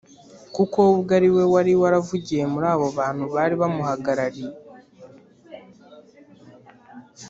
kuko we ubwe ari we wari waravugiye muri abo bantu bari bamuhagarariye